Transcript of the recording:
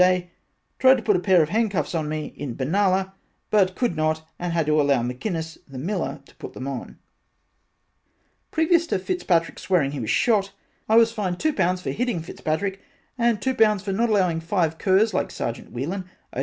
Day that tried to put a pair of hand cuffs on me in Benalla but could not and had to allow McInnis the miller to put them on, previous to Fitzpatrick swear ing he was shot, I was fined two pounds for hitting Fitzpatrick and two pounds for not allowing five curs like Sergeant Whelan O.